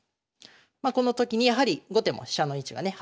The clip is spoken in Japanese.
まあこの時にやはり後手も飛車の位置がね